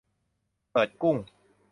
เปิดกุ้ง